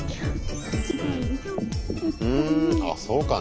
ふんあっそうかね。